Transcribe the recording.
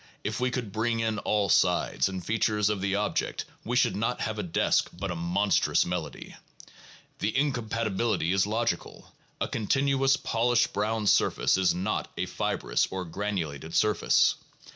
if we could bring in all sides and features of the object we should not have a desk, but a monstrous medley. ... The incompatibility is logical. A continuous polished brown surface is not a fibrous or a granu lated surface.